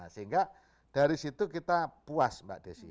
sehingga dari situ kita puas mbak desi